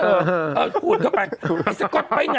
เออขูดเข้าไปไปสก๊อตไป